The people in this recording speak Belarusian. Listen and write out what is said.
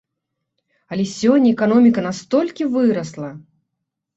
Але сёння эканоміка настолькі вырасла!